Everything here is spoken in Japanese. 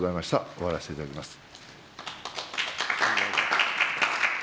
終わらせていただきます。